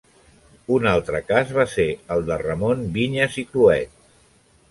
Un altre cas va ser el de Ramon Vinyes i Cluet.